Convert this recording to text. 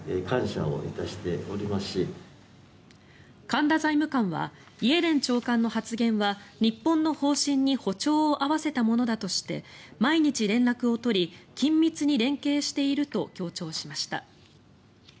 神田財務官はイエレン長官の発言は日本の方針に歩調を合わせたものだとして毎日、連絡を取り緊密に連携していると強調しました。